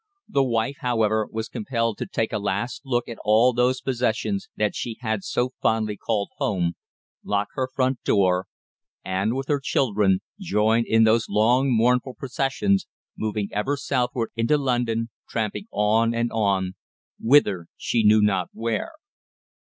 The wife, however, was compelled to take a last look at all those possessions that she had so fondly called "home," lock her front door, and, with her children, join in those long mournful processions moving ever southward into London, tramping on and on whither she knew not where.